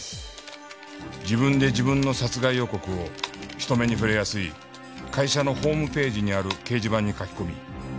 自分で自分の殺害予告を人目に触れやすい会社のホームページにある掲示板に書き込み。